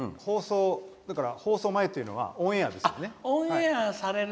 放送前というのはオンエアですよね。